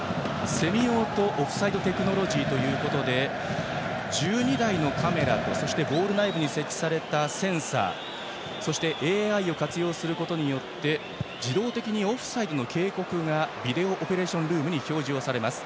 セミオートオフサイドテクノロジーということで１２台のカメラとボール内部に設置されたセンサー、そしてＡＩを活用することによって自動的にオフサイドの警告がビデオオペレーションルームに表示されます。